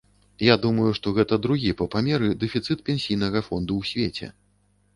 Я думаю, што гэта другі па памеры дэфіцыт пенсійнага фонду ў свеце.